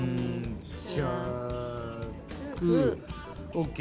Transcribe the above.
ＯＫ。